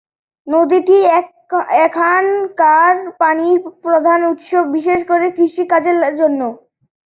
নদীটি এখানকার পানির প্রধান উৎস, বিশেষ করে কৃষি কাজের জন্য।